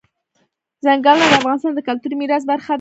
ځنګلونه د افغانستان د کلتوري میراث برخه ده.